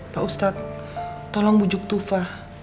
pak ustadz tolong bujuk tufa